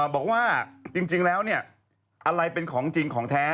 บอกว่าจริงแล้วอะไรเป็นของจริงของแท้